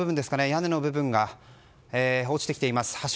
屋根の部分が落ちてきています。